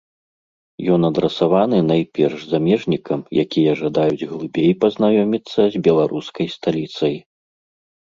Ён адрасаваны, найперш, замежнікам, якія жадаюць глыбей пазнаёміцца з беларускай сталіцай.